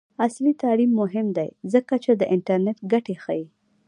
عصري تعلیم مهم دی ځکه چې د انټرنټ ګټې ښيي.